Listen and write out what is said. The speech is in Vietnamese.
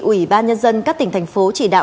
ủy ban nhân dân các tỉnh thành phố chỉ đạo